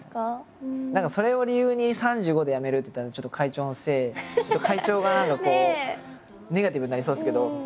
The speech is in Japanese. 何かそれを理由に３５でやめるって言ったらちょっと会長のせい会長が何かこうネガティブになりそうですけど。